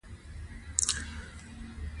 پسرلی د افغانستان د چاپیریال ساتنې لپاره مهم دي.